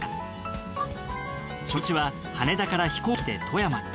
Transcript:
初日は羽田から飛行機で富山へ。